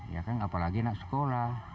ya kan apalagi anak sekolah